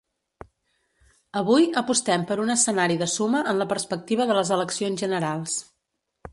Avui, apostem per un escenari de suma en la perspectiva de les eleccions generals.